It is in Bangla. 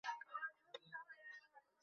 প্রণাম, সারপাঞ্জ সাহেব।